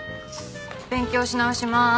勉強し直しまーす。